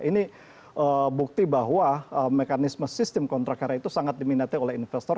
ini bukti bahwa mekanisme sistem kontrak karya itu sangat diminati oleh investor